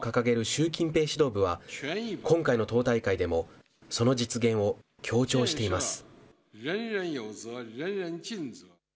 習近平指導部は、今回の党大会でも、その実現を強調しています。